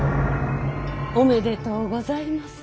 おめでとうございます。